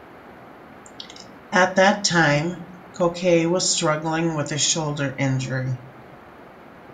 At that time Cochet was struggling with a shoulder injury.